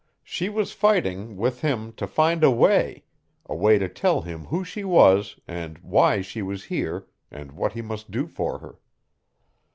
She was fighting, with him, to find a way; a way to tell him who she was, and why she was here, and what he must do for her.